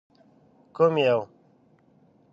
_کوم يو؟